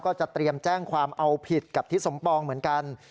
จะเตรียมแจ้งความเอาผิดกับทิศสมปองเหมือนกัน